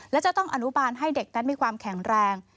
และจะต้องอนุบาลให้เด็กนั้นมีความแข็งแรง